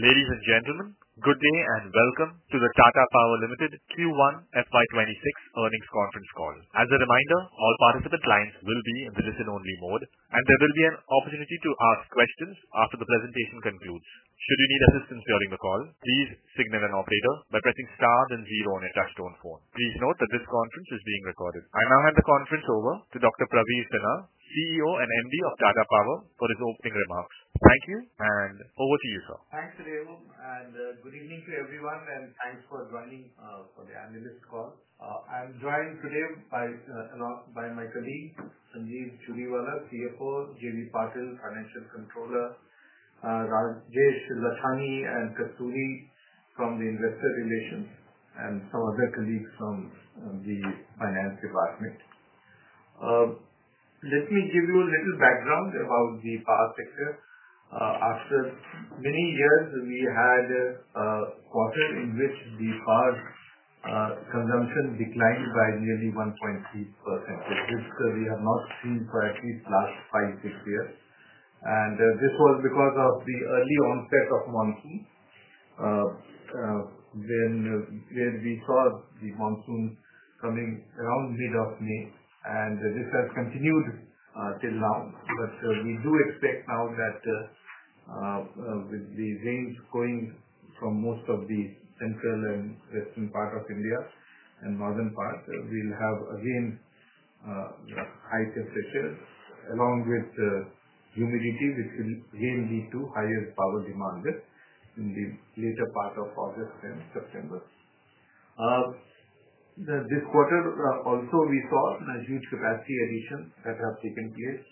Ladies and gentlemen, good day and welcome to the Tata Power Limited Q1 FY26 earnings conference call. As a reminder, all participant lines will be in the listen only mode and there will be an opportunity to ask questions after the presentation concludes. Should you need assistance during the call, please signal an operator by pressing Star then zero on your touchstone phone. Please note that this conference is being recorded. I now hand the conference over to Dr. Praveer Sinha, CEO and MD of Tata Power, for his opening remarks. Thank you. Over to you, sir. Thanks, Rehu. Good evening to everyone and thanks for joining for the analyst call. I'm joined today by my colleague Sanjeev Churiwala, CFO, J.V. Patil, Financial Controller, Rajesh and Kasturi from the Investor Relations, and some other colleagues from the Finance department. Let me give you a little background about the power sector. After many years, we had a quarter in which the power consumption declined by nearly 1.3%, which we have not seen for at least the last 56 years. This was because of the early onset of monsoon, where we saw the monsoon coming around mid of May, and this has continued till now. We do expect now that with the rains going from most of the central and western part of India and northern part, we will have again high temperature along with humidity, which will again lead to higher power demand in the later part of August and September. This quarter, we also saw huge capacity additions that have taken place.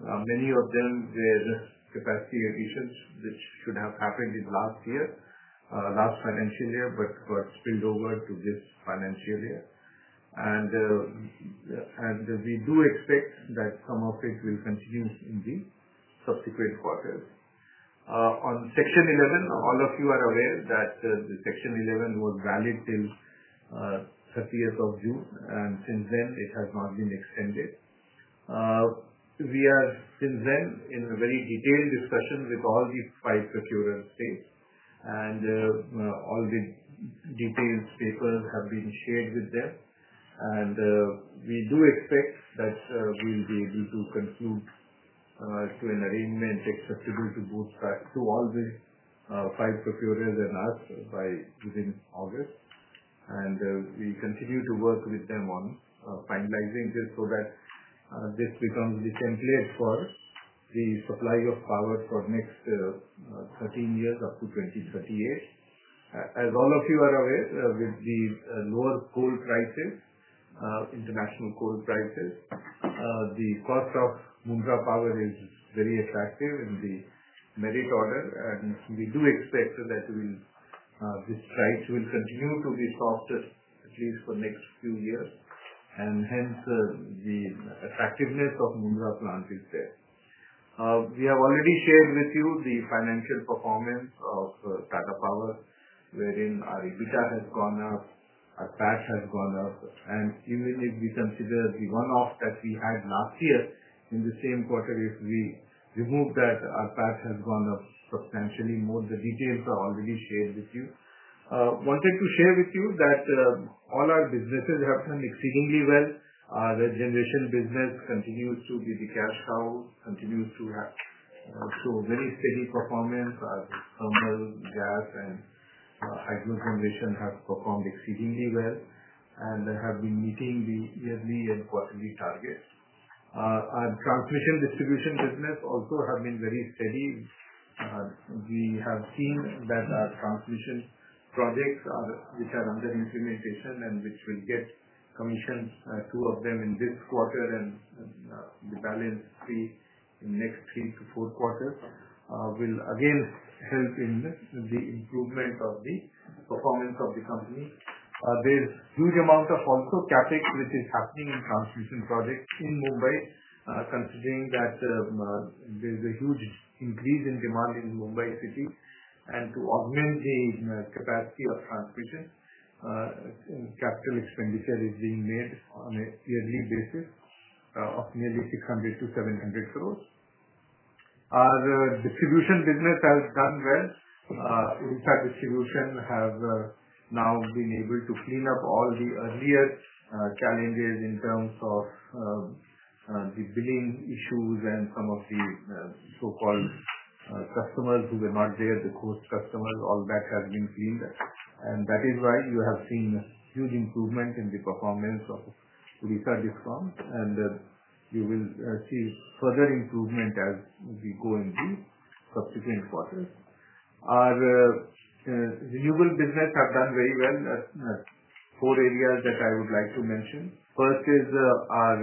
Many of them were capacity additions which should have happened in last year, last financial year, but got spilled over to this financial year. We do expect that some of it will continue in the subsequent quarters on Section 11. All of you are aware that Section 11 was valid till 30th of June, and since then it has not been extended. We are since then in a very detailed discussion with all these five procurer states, and all the detailed papers have been shared with them. We do expect that we will be able to conclude to an arrangement acceptable to all the five procurers and us within August. We continue to work with them on finalizing this so that this becomes the template for the supply of power for next 13 years up to 2038. As all of you are aware, with the lower coal prices, international coal prices, the cost of Mundra Power is very attractive in the merit order. We do expect that the prices will continue to be softer at least for next few years, and hence the attractiveness of Mundra plant is there. We have already shared with you the financial performance of Tata Power, wherein our EBITDA has gone up, our PAT has gone up, and we consider the one-off that we had last year in the same quarter. If we remove that, our PAT has gone up substantially more. The details are already shared with you. Wanted to share with you that all our businesses have done exceedingly well. Our generation business continues to be the cash cow, continues to show very steady performance. Our thermal, gas, and hydro generation have performed exceedingly well and have been meeting the yearly and quarterly target. Our transmission distribution business also has been very steady. We have seen that our transmission projects, which are under implementation and which will get commissioned, two of them in this quarter and the balance few in the next three- four quarters, will again help in the improvement of the performance of the company. There is a huge amount of also CapEx which is happening in transmission projects in Mumbai. Considering that there is a huge increase in demand in Mumbai city and to augment the capacity of transmission, capital expenditure is being made on a yearly basis of nearly 600-700 crore. Our distribution business has done well. Distribution has now been able to clean up all the earlier challenges in terms of the billing issues and some of the so-called customers who were not there, the host customers, all that has been cleaned and that is why you have seen huge improvement in the performance of Visa Discom and you will see further improvement as we go in the subsequent quarters. Our renewable business has done very well. Four areas that I would like to mention. First is our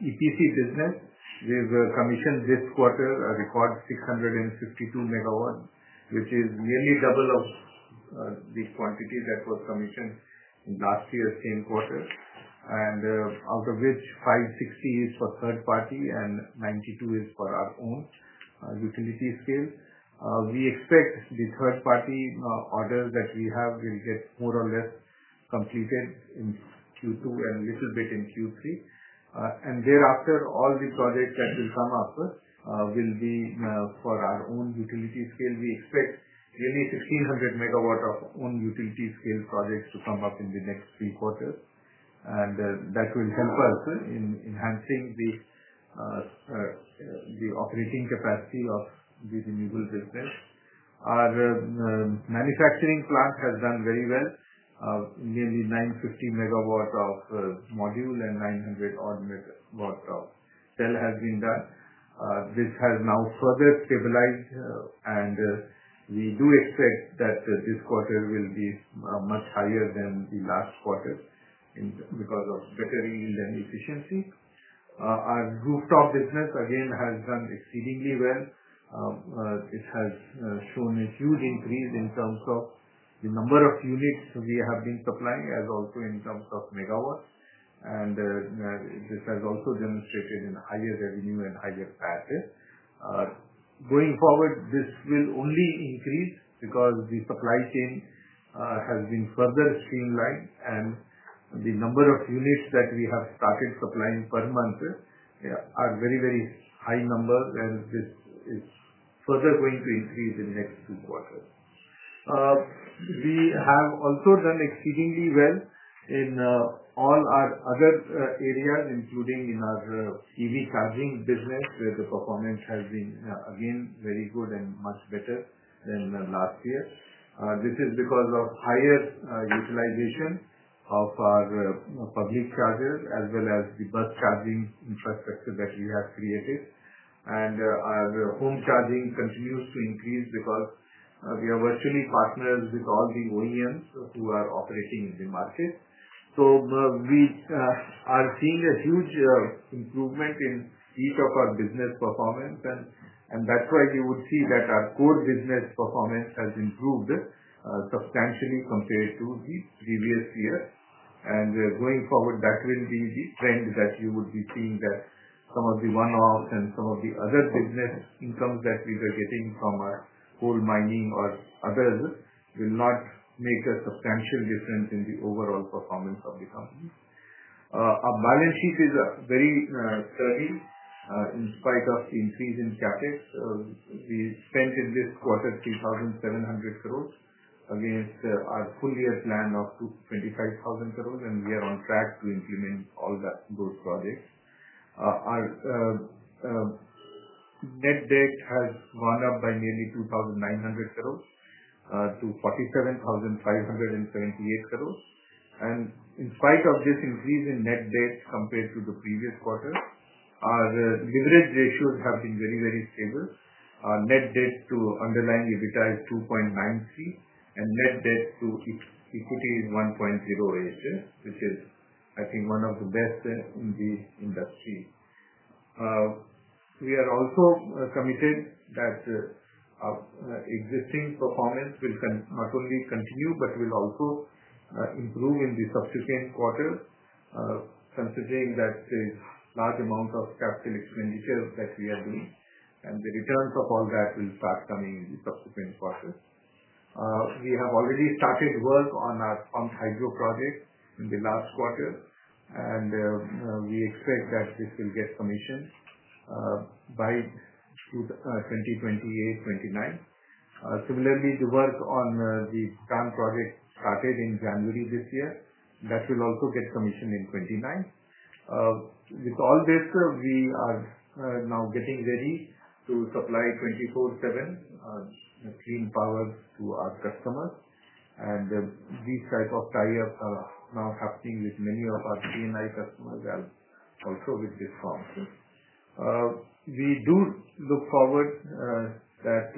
EPC business. We were commissioned this quarter record 652 MW, which is nearly double of the quantity that was commissioned in last year's same quarter and out of which 560 is for third party and 92 is for our own utility scale. We expect the third party orders that we have will get more or less completed in Q2 and a little bit in Q3 and thereafter all the projects that will come up will be for our own utility scale. We expect nearly 1,600 MW of own utility scale projects to come up in the next three quarters and that will help us in enhancing the operating capacity of the renewable business. Our manufacturing plant has done very well. Nearly 950 MW of module and 900 odd MW of cell has been done. This has now further stabilized and we do expect that this quarter will be much higher than the last quarter because of better yield and efficiency. Our rooftop business again has done exceedingly well. It has shown a huge increase in terms of the number of units we have been supplying as also in terms of MW and this has also demonstrated in higher revenue and higher prices. Going forward this will only increase because the supply chain has been further streamlined and the number of units that we have started supplying per month are very, very high numbers. This is further going to increase in the next two quarters. We have also done exceedingly well in all our other areas, including in our EV charging business where the performance has been again very good and much better than last year. This is because of higher utilization of our public chargers as well as the bus charging infrastructure that we have created. Our home charging continues to increase because we are virtually partners with all the OEMs who are operating in the market. We are seeing a huge improvement in each of our business performance and that's why you would see that our core business performance has improved substantially compared to the previous year. Going forward, that will be the trend that you would be seeing, that some of the one-offs and some of the other business incomes that we were getting from our coal mining or others will not make a substantial difference in the overall performance of the company. Our balance sheet is very sturdy. In spite of the increase in CapEx, we spent in this quarter 3,700 crore against our full year plan of 25,000 crore and we are on track to implement all those projects. Our net debt has gone up by nearly 2,900 crore-47,578 crore. In spite of this increase in net debt compared to the previous quarter, our leverage ratios have been very, very stable. Net debt to underlying EBITDA is 2.93 and net debt to equity is 1.08, which is, I think, one of the best in the industry. We are also committed that existing performance will not only continue but will also improve in the subsequent quarters. Considering that there is a large amount of capital expenditure that we are doing and the returns of all that will start coming in the subsequent quarters. We have already started work on our pumped hydro project in the last quarter and we expect that this will get commissioned by 2028-2029. Similarly, the work on the TAN project started in January this year; that will also get commissioned in 2029. With all this, we are now getting ready to supply 24/7 clean power to our customers and these types of tie-ups are now happening with many of our CNI customers. With this function, we do look forward that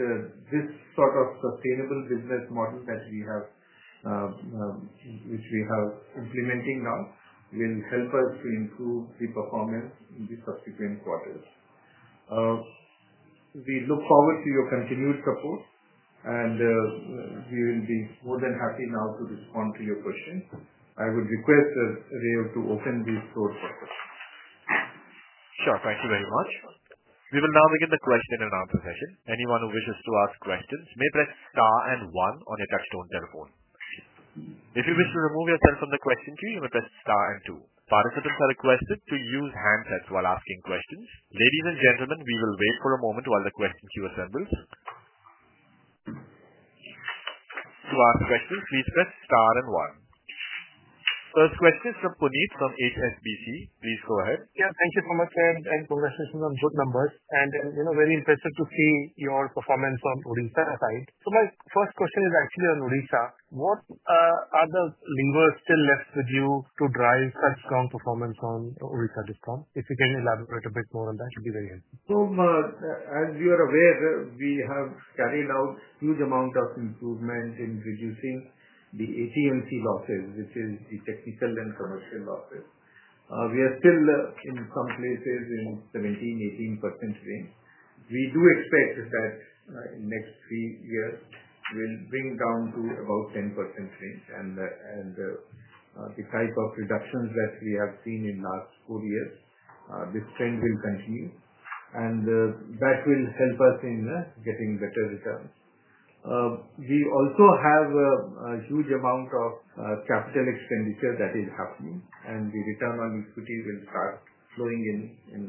this sort of sustainable business model that we are implementing now will help us to improve the performance in the subsequent quarters. We look forward to your continued support, and we will be more than happy now to respond to your questions. I would request Rayo to open the floor for questions. Sure. Thank you very much. We will now begin the question and answer session. Anyone who wishes to ask questions may press star and one on your touch-tone telephone. If you wish to remove yourself from the question queue, you may press star and two. Participants are requested to use handsets while asking questions. Ladies and gentlemen, we will wait for a moment while the question queue assembles. To ask questions, please press star and one. First question is from Puneet from HSBC. Please go ahead. Thank you so much and congratulations on good numbers and very interested to see your performance on Odisha aside. My first question is actually on Odisha. What are the levers still left with you to drive such strong performance on Odisha distribution? If you can elaborate a bit more on that, it would be very helpful. As you are aware, we have carried out the amount of improvement in reducing the ATMC losses, which is the technical and commercial losses. We are still in some places in the 17%, 18% range. We do expect that in the next three years we'll bring down to about 10% range, and the type of reductions that we have seen in the last four years, this trend will continue, and that will help us in getting better returns. We also have a huge amount of capital expenditure that is happening, and the return on equity will start flowing. In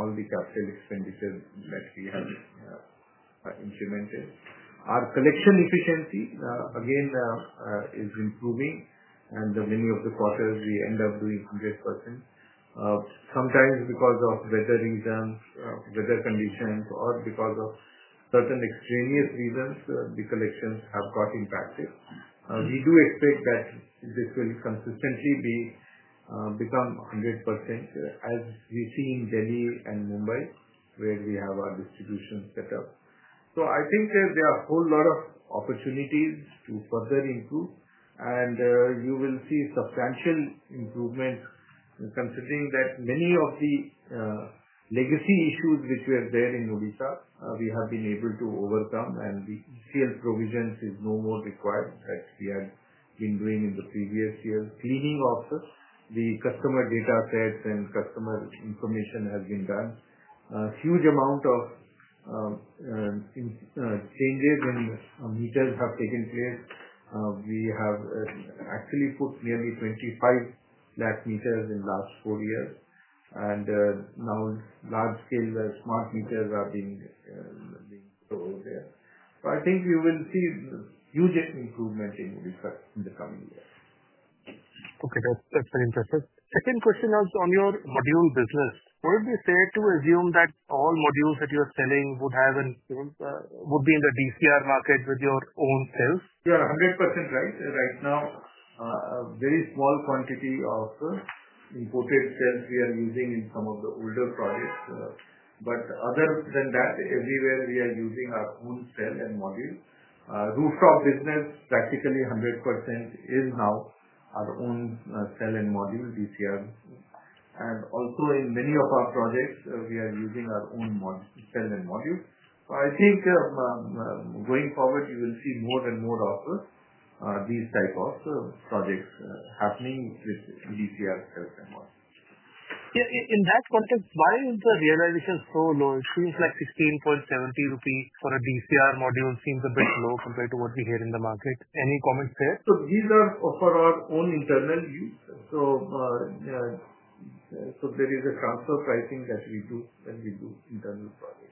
all the capital expenditures that we have implemented, our collection efficiency again is improving, and many of the quarters we end up doing 100%. Sometimes, because of weather reasons, weather conditions, or because of certain extraneous reasons, the collections have got impacted. We do expect that this will consistently become 100% as we see in Delhi and Mumbai, where we have our distribution set up. I think there are a whole lot of opportunities to further improve, and you will see substantial improvement. Considering that many of the legacy issues which were there in Odisha, we have been able to overcome, and the ECL provisions is no more required that we had been doing in the previous years. Cleaning office, the customer data sets and customer information has been done. Huge amount of changes in meters have taken place. We have actually put nearly 2.5 million meters in the last four years, and now large scale smart meters are being sold there. I think you will see huge improvement in Odisha in the coming years. Okay, that's very interesting. Second question was on your module business. Would it be fair to assume that all modules that you are selling would be in the DCR market with your own terms? You are 100% right. Right now, very small quantity of imported cells we are using in some of the older projects. Other than that, everywhere we are using our own cell and module. Rooftop business, practically 100% is now our own cell and module DCR. Also, in many of our projects we are using our own module. I think going forward you will see more and more of these type of projects happening with DCR health and more. Yeah. In that context, why is the realization so low? It seems like 16.70 rupees for a DCR module seems a bit low compared to what we hear in the market. Any comments there? These are for our own internal use. There is a transfer pricing that we do when we do internal projects.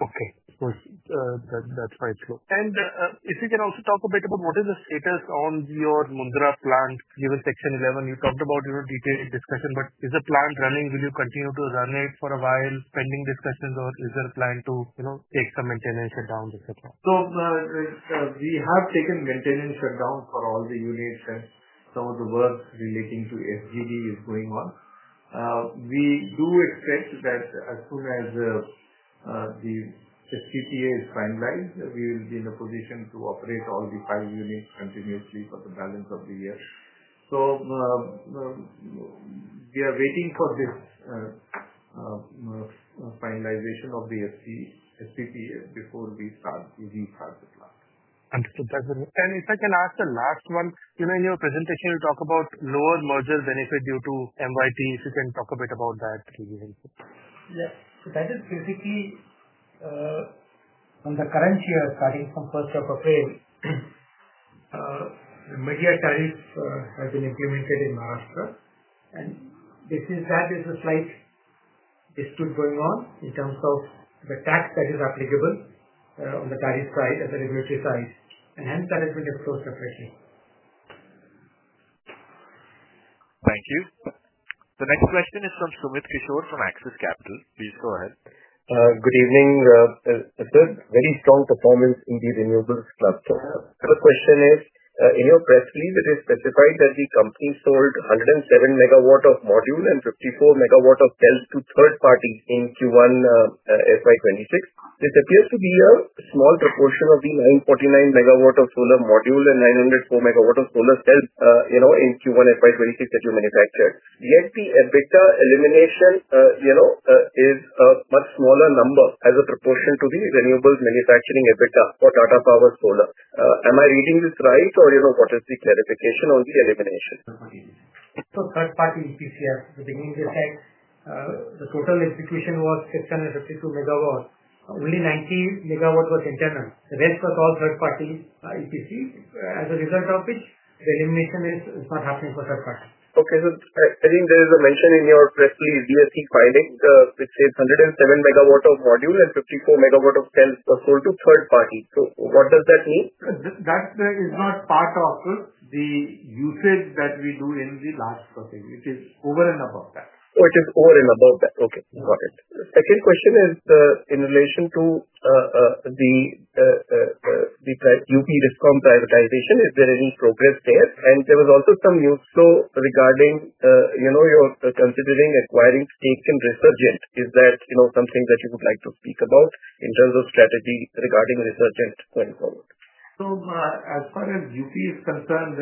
Okay, that's quite slow. If you can also talk a bit about what is the status on your Mundra plant given Section 11, you talked about your detailed discussion. Is the plant running? Will you continue to run it for a while pending discussions, or is there a plan to take some maintenance shutdowns, etc. We have taken maintenance shutdown for all the units. Some of the work relating to SGD is going on. We do expect that as soon as the PPA is finalized we will be in a position to operate all the five units continuously for the balance of the year. We are waiting for this finalization of the PPA before we start using projects. If I can ask the last one, in your presentation you talk about lower merger benefit due to MIT. If you can talk a bit about that. Yeah, that is basically on the current year. Starting from April 1, tariff has been implemented in Maharashtra. There is a slight dispute going on in terms of the tax that is applicable on the tariff side at the regulatory side, and hence that has been disclosed separately. Thank you. The next question is from Sumit Kishore from Access Capital. Please go ahead. Good evening sir. Very strong performance in the renewables platform. The question is in your press release it is specified that the company sold 107 MW of module and 54 MW of cell to third parties in Q1 FY2026. This appears to be a small proportion of the 949 MW of solar module and 904 MW of solar cells in Q1 FY 2026 that you manufactured. Yet the EBITDA elimination is a much smaller number as a proportion to the renewables manufacturing EBITDA for Tata Power Solar. Am I reading this right or what is the clarification on the elimination? Third party EPC, the total execution was 652 MW, only 90 MW was internal. The rest was all third party, etc. As a result of it, the elimination is not happening for third party. Okay, I think there is a mention in your press release DSE filing which says 107MW of modules and 54 MWof cells sold to third party. What does that mean? That is not part of the usage that we do in the large purchase. It is over and above that. It is over and above that. Okay, got it. The second question is in relation to the UP discom privatization. Is there any progress there? There was also some news flow regarding, you know, you're considering acquiring stake in Resurgent platform. Is that, you know, something that you would like to speak about in terms of strategy regarding Resurgent platform going forward. As far as UP is concerned,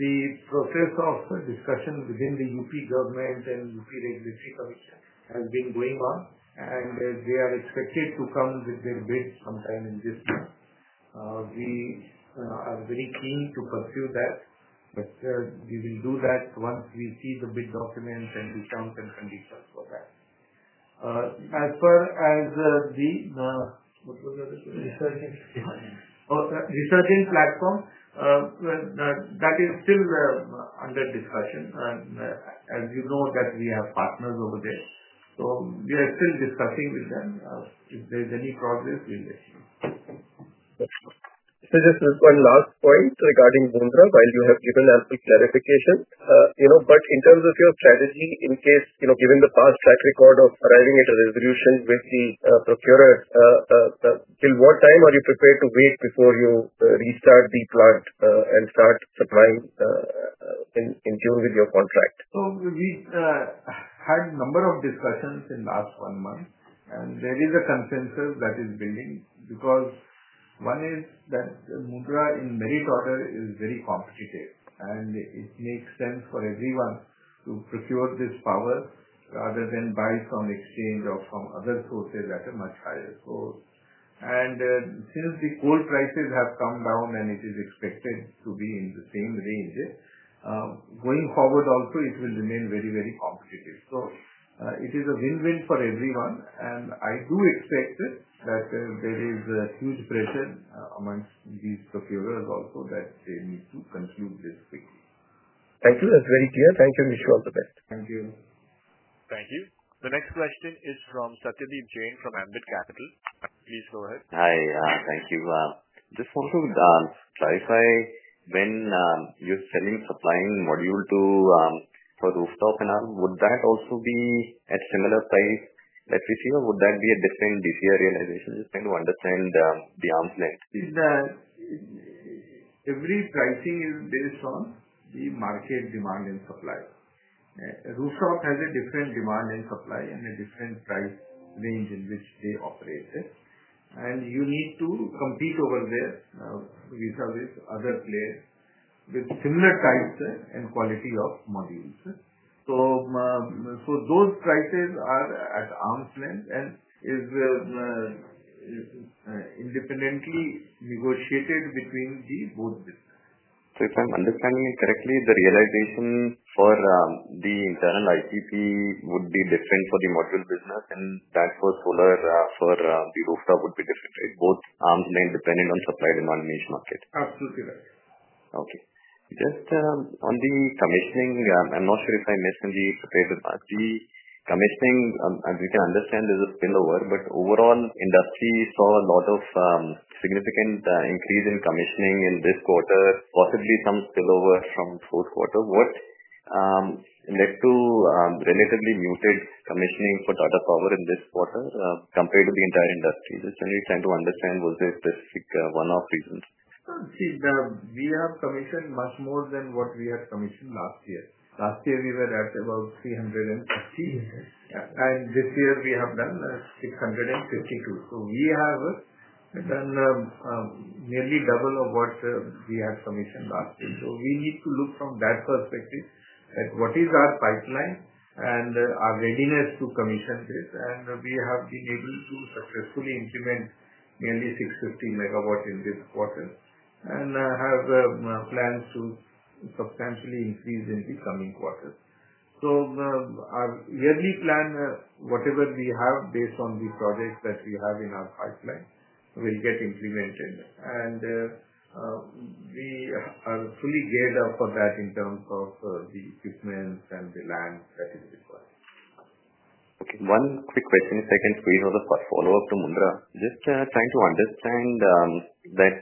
the process of discussion within the UP government and UP Regulatory Commission has been going on, and they are expected to come with their bids sometime in this year. We are very keen to pursue that. We will do that once we see the bid documents and discounts and conditions for that. As far as the Resurgent platform, that is still under discussion. As you know, we have partners over there, so we are still discussing with them if there is any progress. This is one last point regarding Mundra. While you have given ample clarification, in terms of your strategy, in case given the past track record of arriving at a resolution with the procurer, till what time are you prepared to wait before you restart the plant and start supplying in June with your contract? We had a number of discussions in the last one month, and there is a consensus that is building because one is that Mundra in merit order is very competitive, and it makes sense for everyone to procure this power rather than buy from exchange or from other sources at a much higher price. Since the coal prices have come down and it is expected to be in the same range going forward also, it will remain very, very competitive. It is a win-win for everyone. I do expect that there is a huge pressure amongst these procurers also that they need to conclude this quickly. Thank you. That's very clear. Thank you, and I wish you all the best. Thank you. Thank you. The next question is from Satyadeep Jain from Ambit Capital. Please go ahead. Hi, thank you. This one to clarify, when you're selling, supplying module for rooftop and all, would that also be at similar price that we see or would that be a different DCR realization? Just trying to understand the arm's length. Every pricing is based on the market demand and supply. Rooftop has a different demand and supply and a different price range in which they operated. You need to compete over there with other players with similar types and quality of modules. Those prices are at arm's length and are independently negotiated between both business. If I'm understanding it correctly, the realization for the internal ICP would be different for the module business, and that for solar for the rooftop would be different. Both arms remain dependent on supply, demand, niche market. Absolutely right. Okay. Just on the commissioning, I'm not sure if I mentioned the commissioning. As you can understand, there's a spillover, but overall, the industry saw a lot of significant increase in commissioning in this quarter, possibly some spillover from fourth quarter. What led to relatively muted commissioning for Tata Power in this quarter compared to the entire industry? Just really trying to understand, was there specific one-off reasons? We have commissioned much more than what we had commissioned last year. Last year we were at about 350 and this year we have done 652. We have done nearly double of what we had commissioned last year. We need to look from that perspective what is our pipeline and our readiness to commission this. We have been able to successfully implement nearly 650MW in this quarter and have plans to substantially increase in the coming quarters. Our yearly plan, whatever we have based on the projects that we have in our pipeline, will get implemented and we are fully geared up for that in terms of the equipment and the land that is required. Okay, one quick question. Second squeeze was a follow-up to Mundra. Just trying to understand that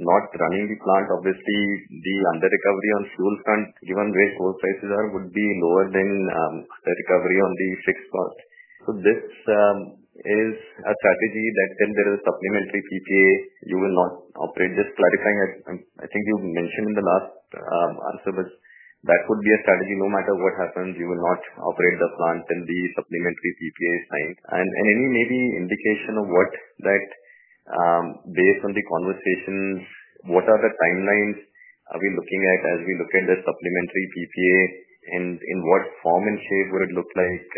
not running the plant, obviously the under recovery on fuel current given where coal prices are, would be lower than the recovery on the fixed cost. This is a strategy that if there is a supplementary PPA, you will not operate. Just clarifying, I think you mentioned in the last answer, but that could be a strategy. No matter what happens, you will not operate the plant if the supplementary PPA is fine. Any maybe indication of what that, based on the conversations, what are the timelines we are looking at as we look at the supplementary PPA? In what form and shape would it look like?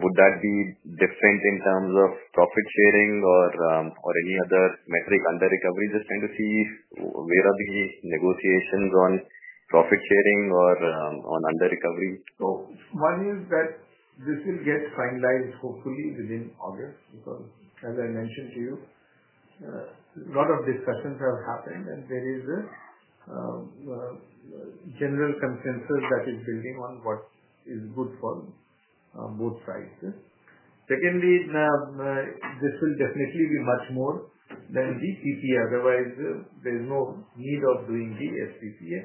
Would that be different in terms of profit sharing or any other metric under recovery? Just trying to see where are the negotiations on profit sharing or on under recovery. One is that this will get finalized hopefully within August. As I mentioned to you, a lot of discussions have happened and there is a general consensus that is building on what is good for both sides. Secondly, this will definitely be much more than the PPA. Otherwise, there is no need of doing the SPPA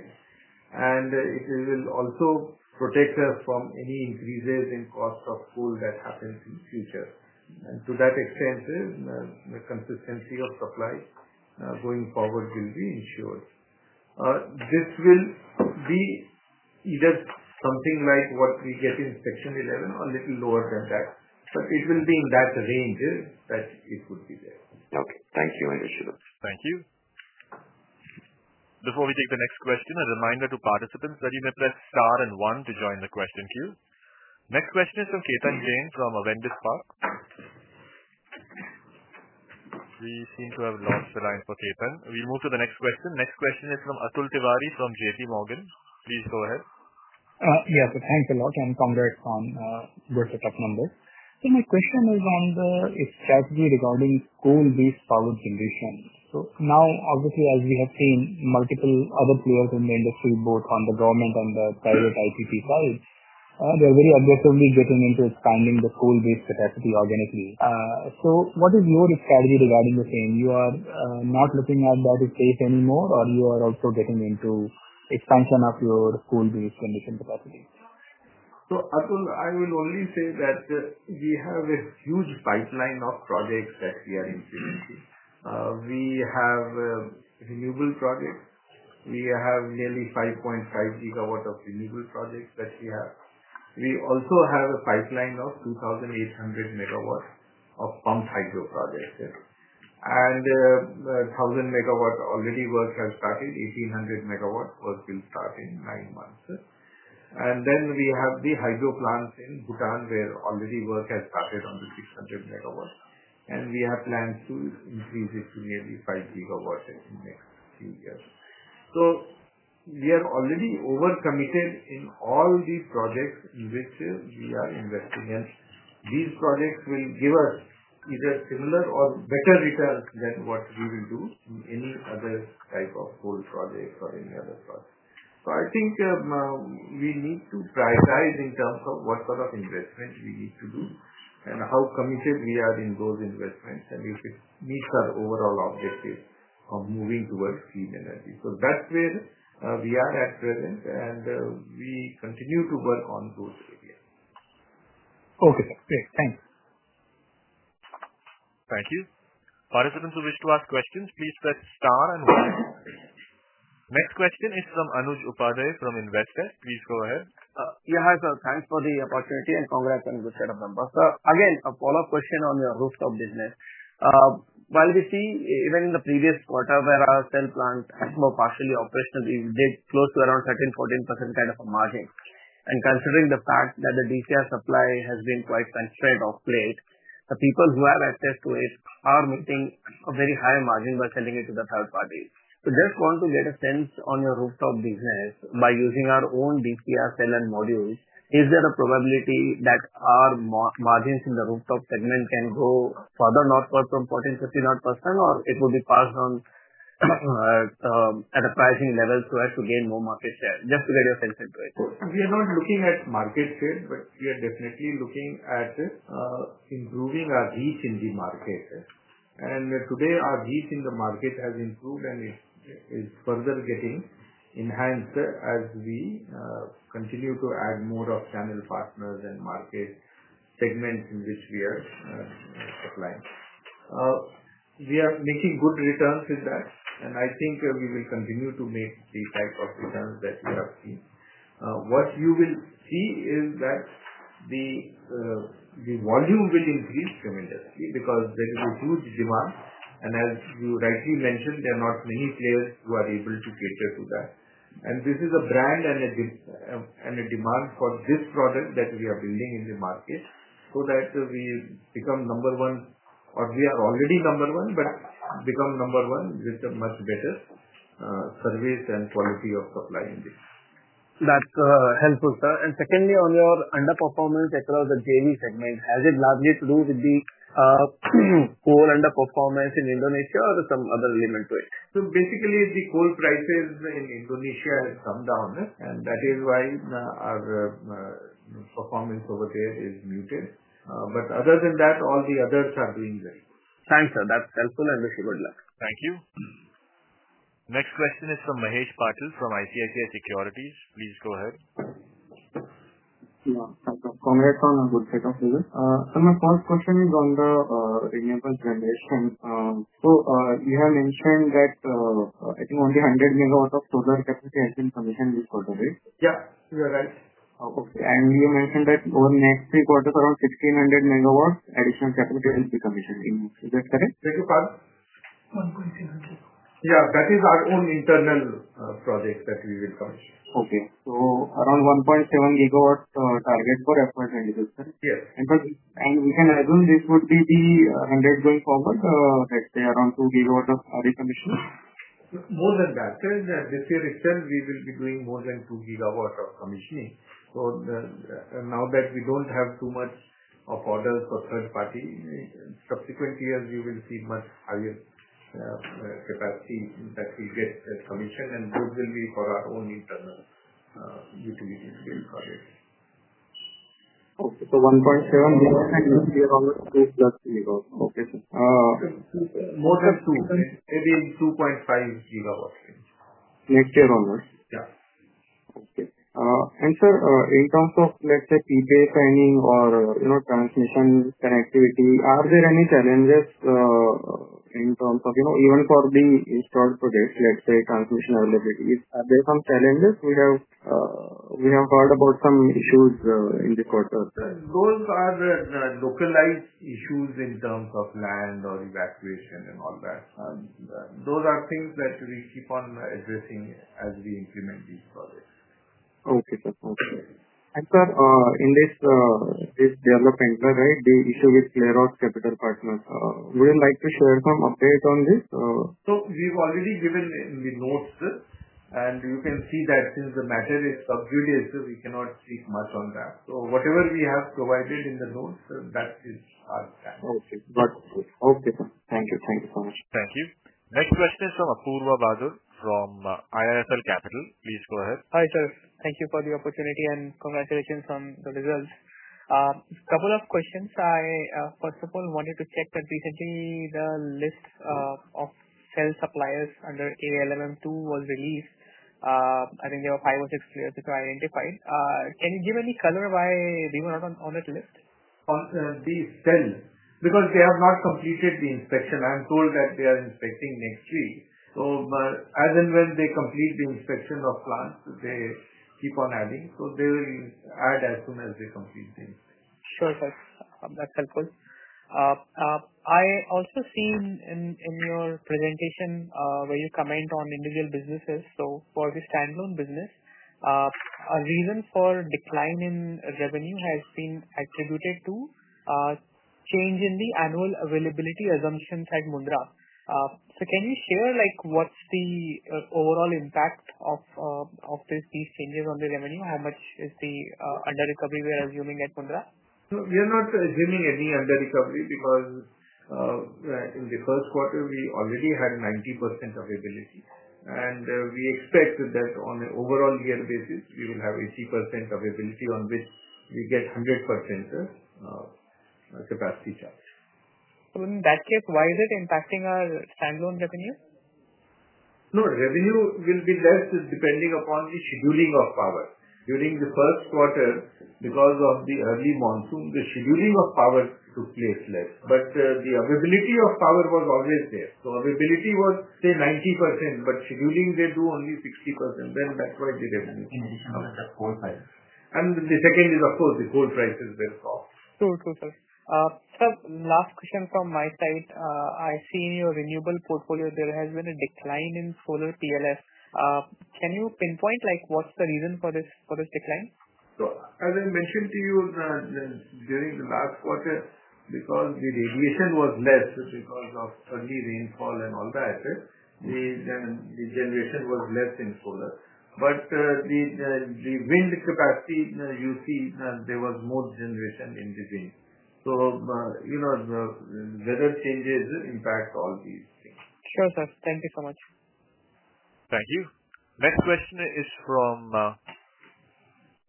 and it will also protect us from any increases in cost of coal that happens in future. To that extent, the consistency of supply going forward will be ensured. This will be either something like what we get in Section 11 or a little lower than that, but it will be in that range that it would be there. Okay, thank you. Thank you. Before we take the next question, a reminder to participants that you may press star and one to join the question queue. Next question is from Ketan Jain from Avendis Park. We seem to have lost the line for Ketan. We move to the next question. Next question is from Atul Tiwari from J.P. Morgan. Please go ahead. Yes, thanks a lot and congrats on both set of numbers. My question is on the strategy. Regarding coal based power generation, as we have seen multiple other players in the industry, both on the government and the private IPP side, they are very aggressively getting into expanding the coal based capacity organically. What is your strategy regarding the same? You are not looking at that space anymore or you are also getting into expansion of your coal based generation capacity? Atul, I will only say that we have a huge pipeline of projects that we are implementing. We have renewable projects. We have nearly 5.5 GW of renewable projects that we have. We also have a pipeline of 2,800 MW of pumped hydro projects and 1,000 MW already work has started, 1,800 MW work will start in nine months. We have the hydro plants in Bhutan where already work has started on the 600 MW and we have plans to increase it to nearly 5 GW in the next few years. We are already over committed in all the projects in which we are investing and these projects will give us either similar or better returns than what we will do in any other type of whole project or any other project. I think we need to prioritize in terms of what kind of investment we need to do and how committed we are in those investments and if it meets our overall objective of moving towards clean energy. That's where we are at present and we continue to work on those areas. Okay, sir. Great, thanks. Thank you. Participants who wish to ask questions, please press star. The next question is Anush Upande from Investec Yeah sir, thanks for the opportunity and congrats on good set of numbers. Again, a follow-up question on your rooftop business. While we see even in the previous quarter where our Stell plants were partially operational, we did close to around 13%, 14% kind of a margin. Considering the fact that the DCR supply has been quite constrained off late, the people who have access to it are meeting a very high margin by sending it to the third parties. I just want to get a sense on your rooftop business. By using our own DCR cell and modules, is there a probability that our margins in the rooftop segment can go further northward from 14%, 15% or it will be passed on at a pricing level so as to gain more market share, just to get your sense into it. We are not looking at market share, but we are definitely looking at improving our reach in the market. Today, our reach in the market has improved, and it is further getting enhanced as we continue to add more channel partners and market segments in which we are supplying. We are making good returns with that, and I think we will continue to make the type of returns that we have seen. What you will see is that the volume will increase tremendously because there is a huge demand. As you rightly mentioned, there are not many players who are able to cater to that. This is a brand and a demand for this product that we are building in the market so that we become number one, or we are already number one, but become number one with a much better service and quality of supply in this. That's helpful, sir. Secondly, on your underperformance across the JV segment, has it largely to do with the coal underperformance in Indonesia or some other element to it? The coal prices in Indonesia have come down, and that is why our performance over there is muted. Other than that, all the others are doing well. Thanks, sir. That's gentle, and wish you good luck. Thank you. Next question is from Mahesh Patil from ICICI Securities. Please go ahead. Congrats on a good set of users. My first question is on the renewables generation. You have mentioned that I think only 100 MW of solar capacity has been commissioned this quarter, right? Yeah, you are right. You mentioned that over the next three-four quarters, around 1,600 MW additional capacity will be commissioned. Is that correct? [audio disortion]. Yeah, that is our own internal project that we will commission. Okay, around 1.7 GW target for FY 2024 system. Yes. We can assume this would be the 100 going forward, let's say around 2 GW of commissioning. More than that, this year itself we will be doing more than 2 GW of commissioning. Now that we don't have too much of orders for third party subsequent years, you will see much higher capacity that will get commissioned, and those will be for our own internal utilities. We'll collect. Okay, so 1.7. More than 2, maybe 2.5 GW range Next year almost. Yeah. Okay. In terms of, let's say, PPA signing or transmission connectivity, are there any challenges in terms of, you know, even for the installed projects? Let's say transmission availability, are there some challenges? We have heard about some issues in the quarter. Those are localized issues in terms of land or evacuation and all that. Those are things that we keep on addressing as we implement these projects. Okay, sir. Okay. Sir, in this develop anchor, right, the issue with Claire Odds Capital Partners. Would you like to share some update on this? We have already given in the notes, and you can see that since the matter is sub[ judice], we cannot speak much on that. Whatever we have provided in the notes, that is our standard. Okay, thank you. Thank you so much. Thank you. Next question is from Apoorva Badu from IIFL Capital. Please go ahead. Hi sir, thank you for the opportunity and congratulations on the results. Couple of questions. I first of all wanted to check that recently the list of cell suppliers under ALMM2 was released. I think there were five or six players which were identified. Can you give any color why they were not on that list? They have not completed the inspection. I am told that they are inspecting next week. As and when they complete the inspection of plants, they keep on adding. They will add as soon as they complete the inspection. Sure sir, that's helpful. I also seen in your presentation where you comment on individual businesses. For the standalone business, a reason for decline in revenue has been attributed to change in the annual availability assumptions at Mundra. Can you share what's the overall impact of these changes on the revenue? How much is the under recovery we are assuming at Mundra? We are not assuming any under recovery because in the first quarter we already had 90% availability, and we expect that on an overall year basis we will have 80% availability on which we get 100% capacity charge. In that case, why is it impacting our standalone revenue? No, revenue will be less depending upon the scheduling of power. During the first quarter, because of the early monsoon, the scheduling of power took place less, but the availability of power was always there. Availability was, say, 90%, but scheduling they do only 60%. That's why the revenue. The second is, of course, the coal prices went off. True, true. Sir, last question from my side. I see in your renewable portfolio there has been a decline in solar, please. Can you pinpoint like what's the reason for this decline? As I mentioned to you during the last quarter, because the radiation was less due to early rainfall and all that, the generation was less in solar. The wind capacity, you see, there was more generation in the wind, so weather changes impact all these things. Sure, sir. Thank you so much. Thank you. Next question is from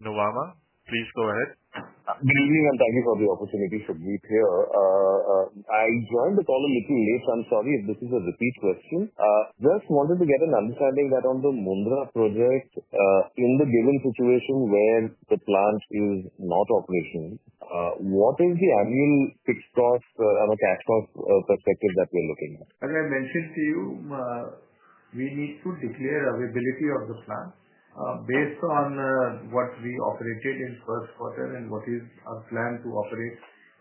Nirvama. Please go ahead. Good evening and thank you for the opportunity to meet here. I joined the call a little late. I'm sorry if this is a repeat question. Just wanted to get an understanding that on the Mundra project in the given situation where the plant is not operational. What is the annual fixed cost cash? Cost perspective that we're looking at? As I mentioned to you, we need to declare availability of the plant based on what we operated in the first quarter and what is our plan to operate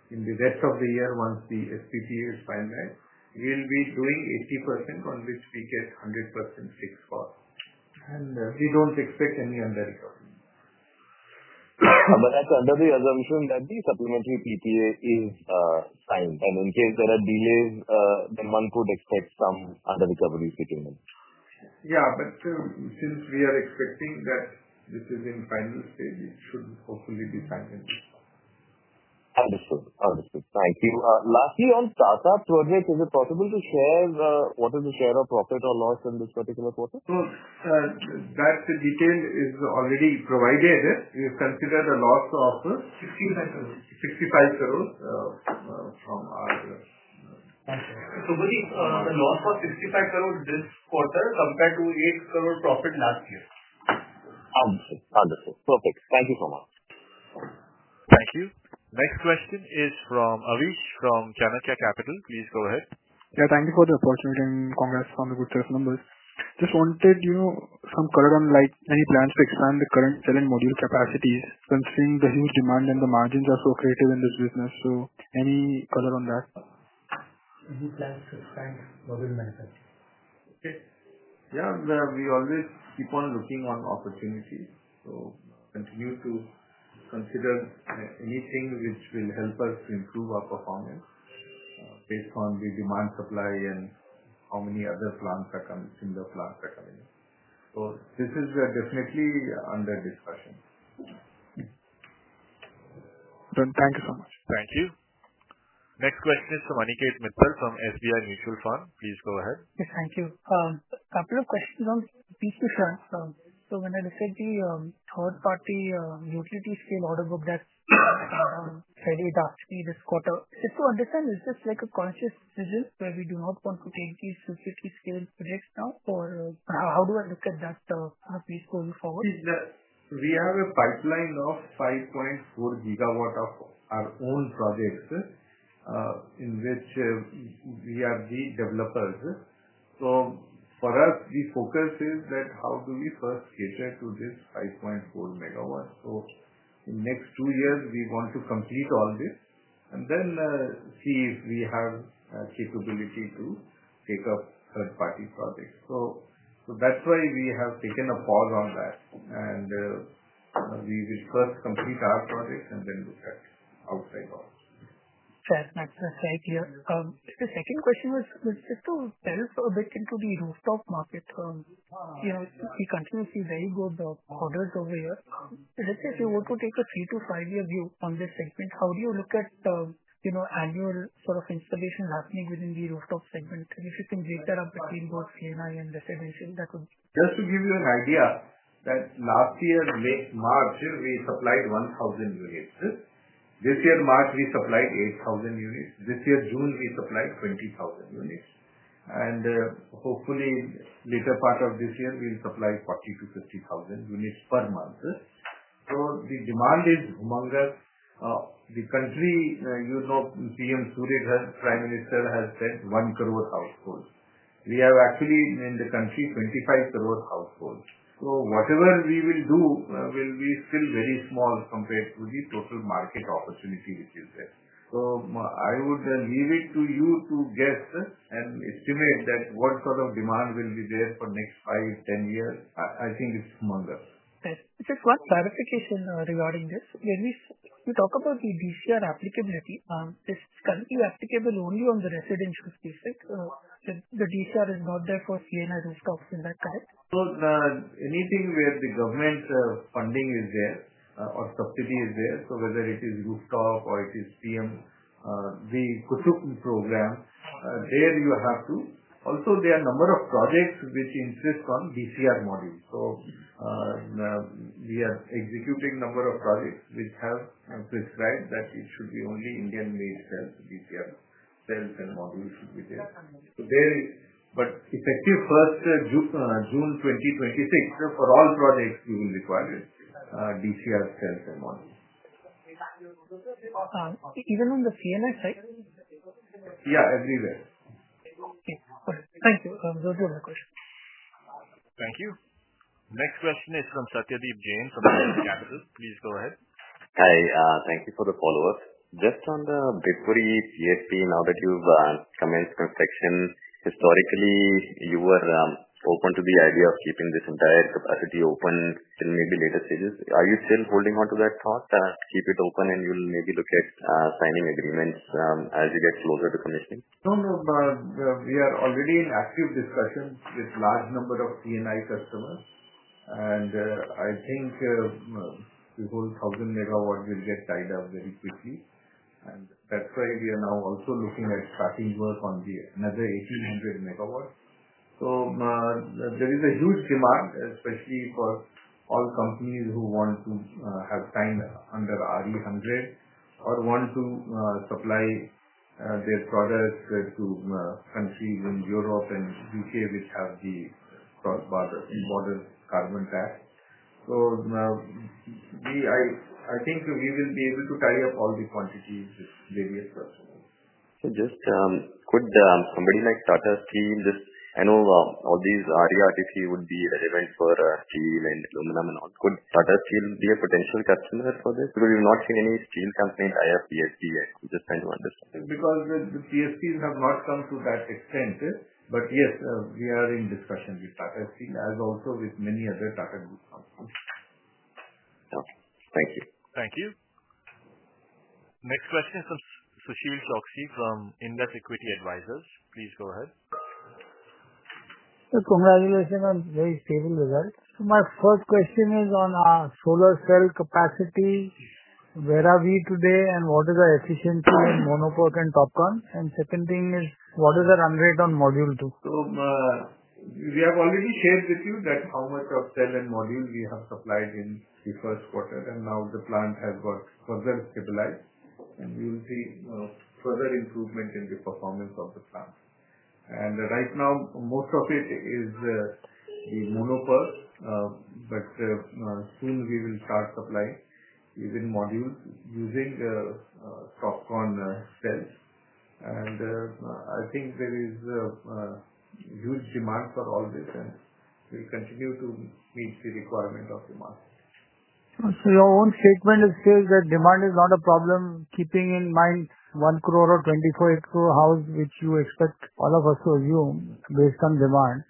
in the rest of the year. Once the SPPA is finalized, we will be doing 80% on which we get 100% fixed cost, and we don't expect any undercover. That is under the assumption that the supplementary PPA is signed and in case. There are delays, then one could expect Some under the coverage agreement. Yeah, since we are expecting that this is in final stage, it should hopefully be signed. Understood. Thank you. Lastly, on startup project, is it possible to share what is the share of profit or loss in this particular quarter? That detail is already provided. We consider the loss of 606.5 crore from our [subunit]. The loss was 65 crore this quarter compared to 8 crore profit last year. Understood. Perfect. Thank you so much. Thank you. Next question is from Avish from Chanakya Capital. Please go ahead. Yeah, thank you for the opportunity, and congrats on the good test numbers. Just wanted you to know some color on. Like many plans to expand the current Cell and module capacities, considering the huge demand and the margins, are so creative in this business. Any color on that? We always keep on looking on opportunities to continue to consider anything which will help us to improve our performance based on the demand supply and how many other plants are coming. Similar plants are coming, so this is definitely under discussion. Thank you so much. Thank you. Next question is from Aniket Mittal from SBI Mutual Fund. Please go ahead. Yes, thank you. Couple of questions on PP Shah. When I decide the third party utility scale order book, that to understand, is this like a conscious decision where we do not want to take these physically scale projects now or how do I look at that going forward? We have a pipeline of 5.4 GW of our own projects in which we are the developers. For us the focus is that how do we first cater to this 5.4 GW. In next two years we want to complete all this and then see if we have capability to take up third party projects. That is why we have taken a pause on that and we will first complete our projects and then look at outside of. The second question was just to delve a bit into the rooftop market. We continue to see very good orders over here. Let's say if you were to take a three to five year view on this segment, how do you look at Azure of installation happening within the rooftop segment? If you can break that up between both CNI and residential, that would just. To give you an idea, last year March we supplied 1,000 units. This year March we supplied 8,000 units. This year June we supplied 20,000 units. Hopefully, later part of this year we will supply 40,000 units-50,000 units per month. The demand is humongous. The country, you know, PM Surya Prime Minister has said 1 crore household. We have actually in the country 25 crore household. Whatever we will do will be still very small compared to the total market opportunity which is there. I would leave it to you to guess and estimate what sort of demand will be there for next five, ten years. I think it's humongous. Just one clarification regarding this. When we talk about the DCR applicability, this is currently applicable only on the residential specific. The DCR is not there for CNI rooftops. Is that correct? Anything where the government funding is there or subsidy is there, whether it is rooftop or it is PM the Kutuk program, there you have to. Also, there are a number of projects which insist on DCR module. We are executing a number of projects which have prescribed that it should be only Indian made cells. DCR cells and modules should be there. Effective June 1, 2026, for all projects you will require DCR cells and modules. Even on the CNI side. Yeah, everywhere. Thank you the question Thank you. Next question is from Satya Deep Jain from Abit Capital. Please go ahead. Hi, thank you for the follow-up. Just on the Bipuri pumped hydro project. Now that you've commenced inspection, historically you were open to the idea of keeping this entire capacity open in maybe later stages. Are you still holding on to that thought, keep it open and you'll maybe look at signing agreements as you get closer to commissioning. No, no. We are already in active discussions with a large number of TNI customers, and I think the whole 1,000 MW will get tied up very quickly. That's why we are now also looking at starting work on another 1,800 MW. There is a huge demand, especially for all companies who want to have signed under RE100 or want to supply their products to countries in Europe and the U.K., which have the cross-border carbon tax. I think we will be able to tie up all the quantities with various customers. Could somebody like Tata Steel, I know all these RE RTC would be relevant for steel and aluminum and all. Could Tata Steel be a potential customer for this? Because we have not seen any steel companies hire PSP yet. I'm just trying to understand. Because the PSPs have not come to that extent. Yes, we are in discussion with Tata Steel as also with many other Tata Group companies. Thank you. Thank you. Next question is from Sushil Chokshi from Indu Equity Advisors. Please go ahead. Congratulations on very stable results. My first question is on our solar cell capacity. Where are we today and what is the efficiency in Monopod and TOPCon, and second thing is what is the run rate on module 2? We have already shared with you how much of cell and module we have supplied in the first quarter, and now the plant has got further stabilized. You will see further improvement in the performance of the plant, and right now most of it is the monopers, but soon we will start supply even modules using TOPCon cells. I think there is huge demand for all this, and we continue to meet the requirement of demand. Your own statement says that demand is not a problem, keeping in mind 1 crore or 24 crore houses, which you expect all of us to assume based on demand.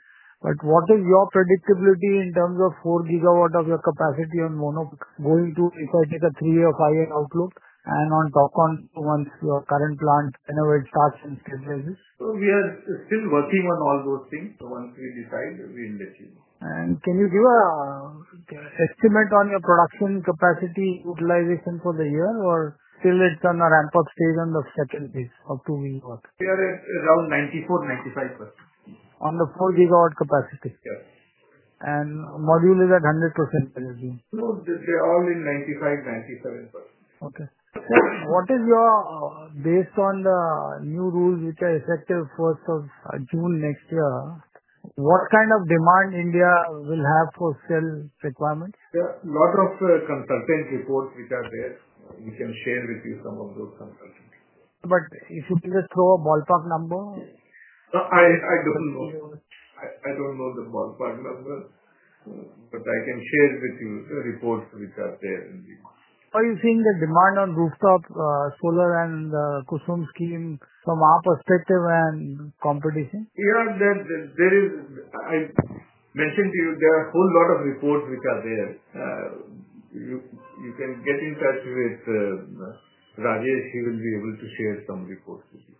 What is your predictability in terms of 4 GW of your capacity on Monopod going to? If I take a three-year, five-year outlook, and on TOPCon, once your current plant, whenever it starts and schedules. We are still working on all those things. Once we decide, we will achieve. Can you give an estimate on your production capacity utilization for the year or till it's on a ramp up stage on the second page of 2? MW we are at around 94%-95%. On the 4 GW capacity Yes. And module is at 100% They are all in 95-97%. Okay, what is your, based on the new rules which are effective 1st of June next year, what kind of demand India will have for cell requirements? Lot of consultant reports which are there. We can share with you some of those consultants. If you can just throw a ballpark number. I don't know the ballpark number, but I can share with you the reports which are there. Are you seeing the demand on rooftop solar and Kusum scheme from our perspective and competition? Yeah, as mentioned to you, there are a whole lot of reports which are there. You can get in touch with Rajesh. He will be able to share some reports with you.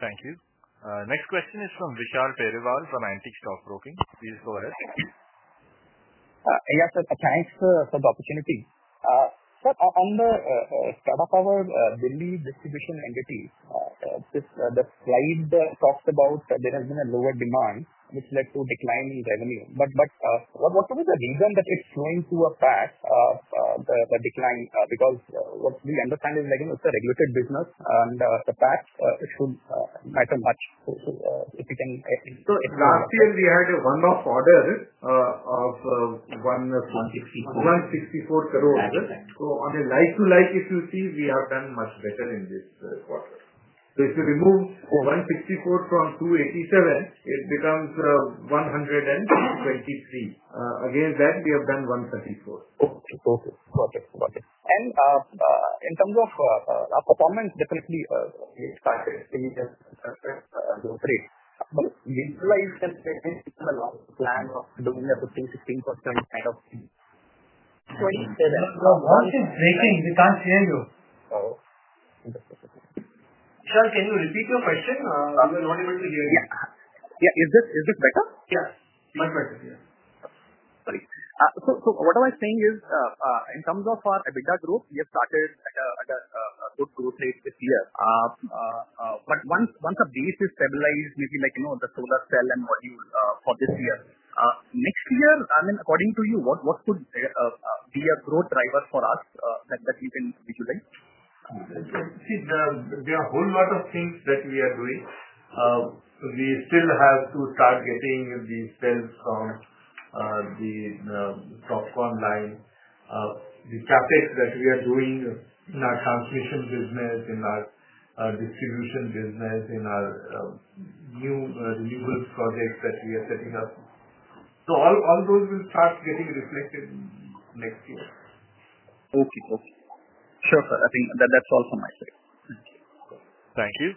Thank you. Next question is from Vishal Periwal from Antique Stockbroking. Please go ahead. Yes sir. Thanks for the opportunity sir. On the Tata Power Delhi distribution entities, the slide talked about there has been a lower demand which led to decline in revenue. What was the reason that it's flowing through a PAT of the decline? What we understand is it's a regulated business and the PAT should matter much. Last year we had a one-off order of 164 crore. On the like-to-like, if you see, we have done much better in this quarter. If you remove 164 crore from 287 crore, it becomes 123 crore. Against that, we have done 134 crore. Okay, got it. In terms of our performance, definitely growth rate. We utilized plan of doing a 15%, 16%. Your voice is breaking. We can't hear you. Vishal, can you repeat your question? Is this better? Yeah, much better. In terms of our EBITDA growth, we have started at a good growth rate this year. Once a base is stabilized, maybe like the solar cell and module for this year, next year, I mean according to you, what could be a growth driver for us that you can visualize? See, there are a whole lot of things that we are doing. We still have to start getting the sales from the TopCon line. The traffic that we are doing in our transmission business, in our distribution business, in our new renewable projects that we are setting up, all those will start getting reflected next year. Okay. Sure, sir. I think that's all for my take. Thank you.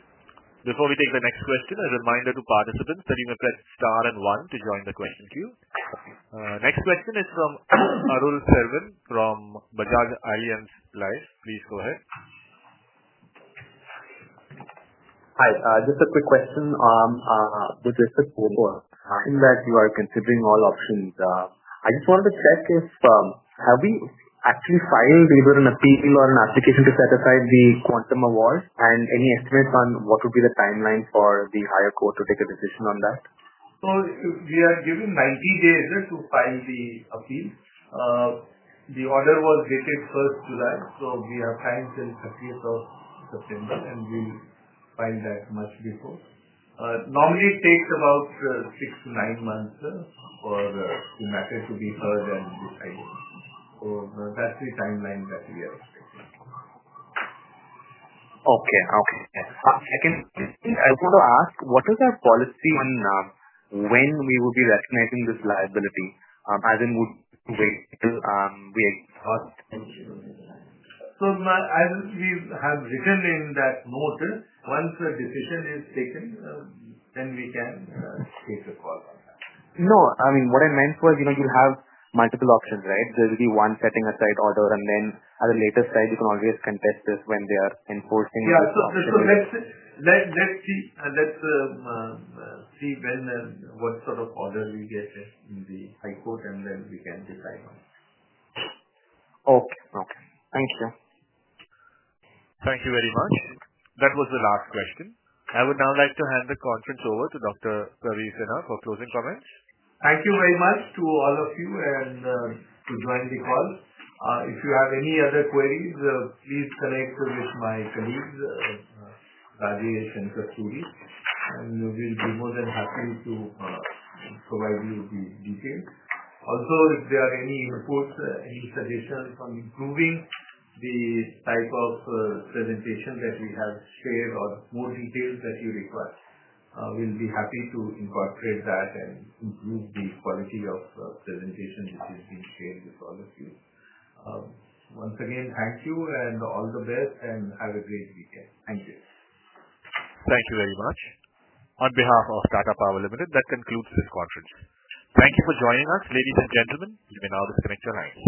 Before we take the next question, a reminder to participants that you may press Star and one to join the question queue. Next question is from ARULSELVI R from Bajaj Allianz Life. Please go ahead. Hi, just a quick question. With respect to that, you are considering all options. I just wanted to check if we have actually filed either an appeal or an application to set aside the Quantum Award, and any estimates on what would be the timeline for the higher court to take a decision on that. We are given 90 days to file the appeal. The order was dated 1st July, so we have time till 30th September, and we filed that much before. Normally, it takes about six to nine months for the matter to be heard and decided. That's the timeline that we are expecting. Okay. I want to ask what is our policy on when we would be recognizing this liability? As in, would wait till we exhaust. As we have written in that note, once the decision is taken, then we can take a call on that. No, what I meant was you have multiple options, right? There will be one setting aside order and then at the later side. You can always contest this when they are enforcing. Yeah, let's see what sort of order we get in the High Court and then we can decide on it. Okay. Okay. Thank you. Thank you very much. That was the last question. I would now like to hand the conference over to Dr. Praveer for closing comments. Thank you very much to all of you to join the call. If you have any other queries, please connect with my colleagues Rajesh and Kasturi and we'll be more than happy to provide you the details. Also, if there are any inputs, any suggestions on improving the type of presentation that we have shared or more details that you request, we'll be happy to incorporate that and improve the quality of presentation being shared with all of you. Once again, thank you and all the best and have a great weekend. Thank you. Thank you very much. On behalf of Tata Power Limited, that concludes this conference. Thank you for joining us, ladies and gentlemen. You may now disconnect your lines.